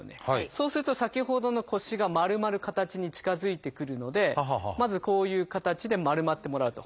そうすると先ほどの腰が丸まる形に近づいてくるのでまずこういう形で丸まってもらうと。